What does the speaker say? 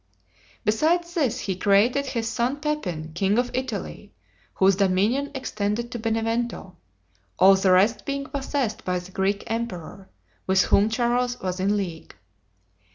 Besides this, he created his son Pepin, king of Italy, whose dominion extended to Benevento; all the rest being possessed by the Greek emperor, with whom Charles was in league.